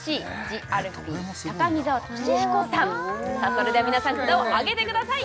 それでは皆さん札を上げてください